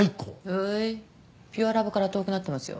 おーいピュアラブから遠くなってますよ